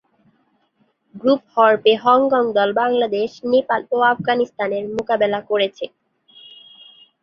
গ্রুপ-পর্বে Hong Kong দল বাংলাদেশ, নেপাল ও আফগানিস্তানের মোকাবেলা করেছে।